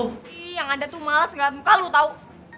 ih yang ada tuh males gak lihat muka lo tau